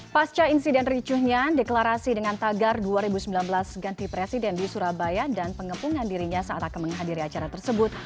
pasca insiden ricuhnya deklarasi dengan tagar dua ribu sembilan belas ganti presiden di surabaya dan pengepungan dirinya saat akan menghadiri acara tersebut